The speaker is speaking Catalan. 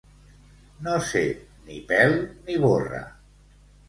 No ser ni pèl ni borra.